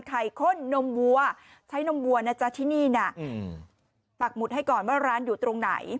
ข้นนมวัวใช้นมวัวนะจ๊ะที่นี่นะปักหมุดให้ก่อนว่าร้านอยู่ตรงไหน